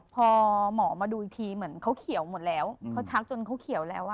พอหมอมาดูอีกทีเหมือนเขาเขียวหมดแล้วเขาชักจนเขาเขียวแล้วอ่ะ